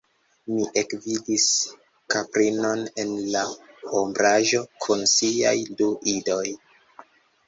Mi ekvidis kaprinon en la ombraĵo kun siaj du idoj.